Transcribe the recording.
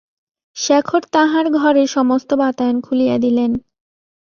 শেখর তাঁহার ঘরের সমস্ত বাতায়ন খুলিয়া দিলেন।